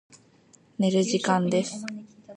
寝る時間です。